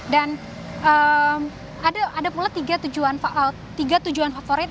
dan ada pula tiga tujuan favorit